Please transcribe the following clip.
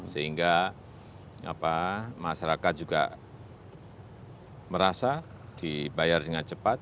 sehingga masyarakat juga merasa dibayar dengan cepat